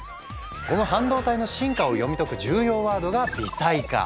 その「半導体」の進化を読み解く重要ワードが「微細化」。